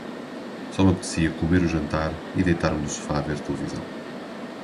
Só me apetecia comer o jantar e deitar-me no sofá a ver televisão.